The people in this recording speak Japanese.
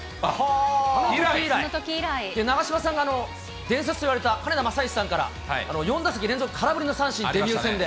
長嶋さんが伝説といわれた金田正一さんから４打席連続空振りの三振、デビュー戦で。